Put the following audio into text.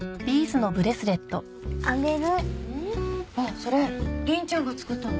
それ凛ちゃんが作ったの？